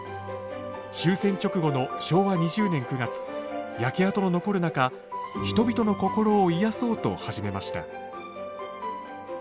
終戦直後の昭和２０年９月焼け跡の残る中人々の心を癒やそうと始めました。